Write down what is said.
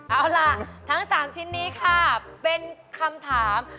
เอาล่ะทั้ง๓ชิ้นนี้ค่ะเป็นคำถาม